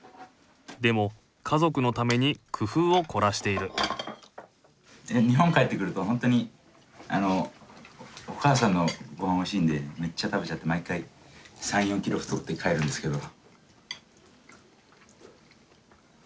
でも家族のために工夫を凝らしている日本帰ってくるとほんとにお母さんのごはんおいしいんでめっちゃ食べちゃって毎回３４キロ太って帰るんですけど。